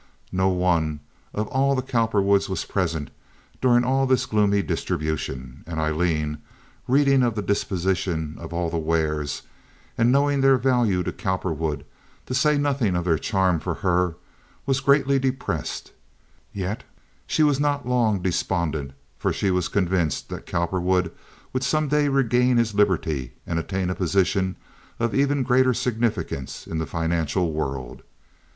No one of all the Cowperwoods was present during all this gloomy distribution; and Aileen, reading of the disposition of all the wares, and knowing their value to Cowperwood, to say nothing of their charm for her, was greatly depressed; yet she was not long despondent, for she was convinced that Cowperwood would some day regain his liberty and attain a position of even greater significance in the financial world.